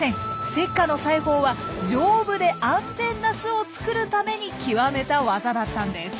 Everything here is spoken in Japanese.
セッカの裁縫は丈夫で安全な巣を作るために極めた技だったんです。